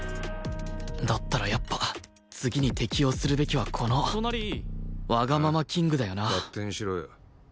だったらやっぱ次に適応するべきはこのわがままキングだよな